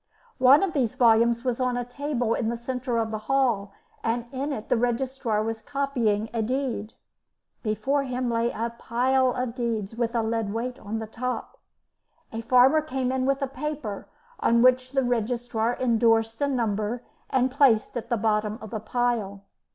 One of these volumes was on a table in the centre of the hall, and in it the registrar was copying a deed. Before him lay a pile of deeds with a lead weight on the top. A farmer came in with a paper, on which the registrar endorsed a number and placed at the bottom of the pile.